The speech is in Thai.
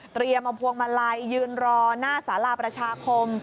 เตรียมเอาพวงมาลัยยืนรอหน้าสาหร่าประชาคม